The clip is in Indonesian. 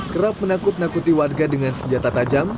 kerap menakut nakuti warga dengan senjata tajam